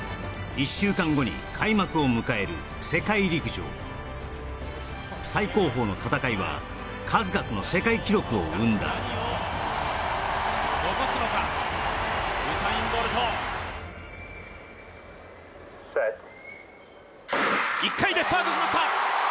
１週間後に開幕を迎える世界陸上最高峰の戦いは数々の世界記録を生んだ何を残すのかウサイン・ボルトＳｅｔ１回でスタートしました